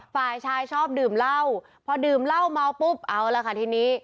ฝ่ายชายชอบดื่มเหล้าพอดื่มเหล้าเมาปุ๊บเอาละค่ะทีนี้